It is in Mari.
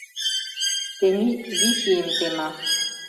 — Тений вич ийым тема.